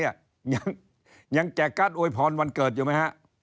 ยังแจกการ์ดอวยพรวันเกิดอยู่ไหมฮะ